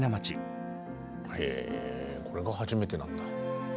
へえこれが初めてなんだ。